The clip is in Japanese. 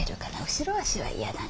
後ろ足は嫌だね。